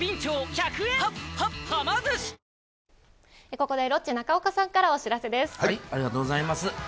ここで、ロッチ・中岡さんかありがとうございます。